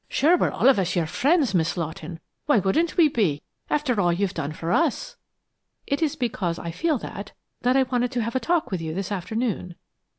"Sure, we're all of us your friends, Miss Lawton; why wouldn't we be, after all you've done for us?" "It is because I feel that, that I wanted to have a talk with you this afternoon.